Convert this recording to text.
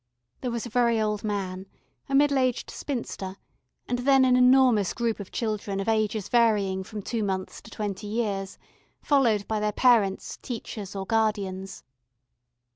There was a very old man, a middle aged spinster, and then an enormous group of children of ages varying from two months to twenty years, followed by their parents, teachers, or guardians.